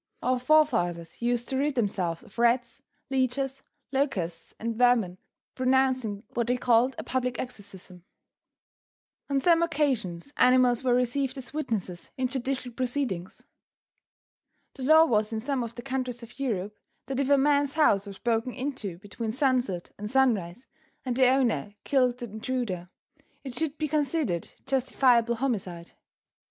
Our forefathers used to rid themselves of rats, leeches, locusts and vermin by pronouncing what they called a public exorcism. On some occasions animals were received as witnesses in judicial proceedings. The law was in some of the countries of Europe, that if a man's house was broken into between sunset and sunrise and the owner killed the intruder, it should be considered justifiable homicide.